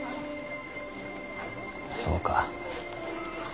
そうか。